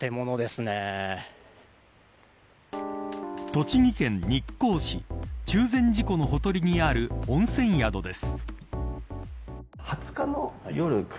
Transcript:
栃木県日光市中禅寺湖のほとりにある温泉宿です。